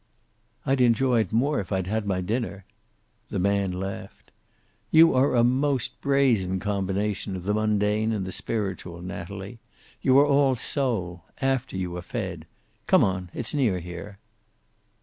"I'd enjoy it more if I'd had my dinner." The man laughed. "You are a most brazen combination of the mundane and the spiritual, Natalie. You are all soul after you are fed. Come on. It's near here."